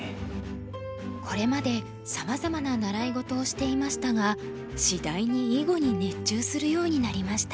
これまでさまざまな習い事をしていましたがしだいに囲碁に熱中するようになりました。